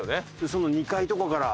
その２階とかから。